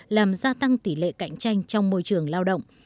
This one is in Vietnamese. làm gia tăng tỷ lệ cạnh tranh trong môi trường lao động